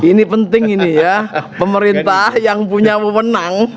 ini penting ini ya pemerintah yang punya pemenang